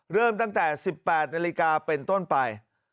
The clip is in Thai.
เริ่มตั้งแต่๑๘นาฬิกาเป็นต้นไป